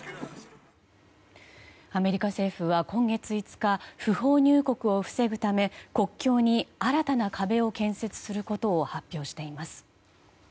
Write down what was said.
アメリカ政府は今月５日不法入国を防ぐため国境に新たな壁を建設することを発表しています。